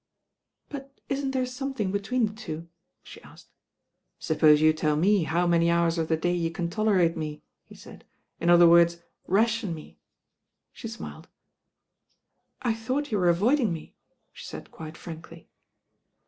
"But isn't there something between the two?" she asked. "Suppose you tell me how many hours of the day you can tolerate me," he said; "in other worda. ration me." She smiled. "I thought you were avoiding me," she said quite frankly.